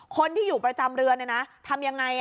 คนที่อยู่ประจำเรือนทำอย่างไร